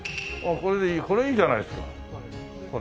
これでいいこれいいじゃないですか。